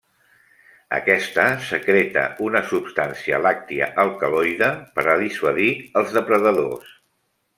Aquesta secreta una substància làctia alcaloide per a dissuadir els depredadors.